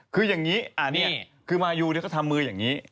คืออย่างงี้คือมายูเนี่ยก็ทำมืออย่างงี้